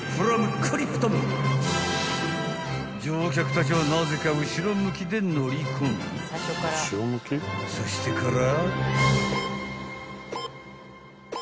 ［乗客たちはなぜか後ろ向きで乗り込みそしてから］